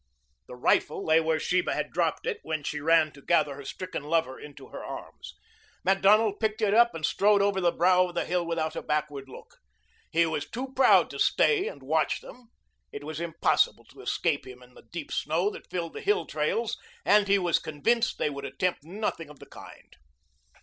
The rifle lay where Sheba had dropped it when she ran to gather her stricken lover into her arms. Macdonald picked it up and strode over the brow of the hill without a backward look. He was too proud to stay and watch them. It was impossible to escape him in the deep snow that filled the hill trails, and he was convinced they would attempt nothing of the kind.